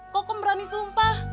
kokom berani sumpah